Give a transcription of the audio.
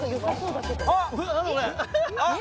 あっ！